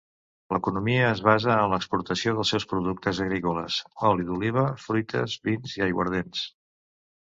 L'economia es basa en l'exportació dels seus productes agrícoles: oli d'oliva, fruites, vins i aiguardents.